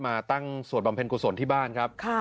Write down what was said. มาตั้งสวดบำเพ็ญกุศลที่บ้านครับ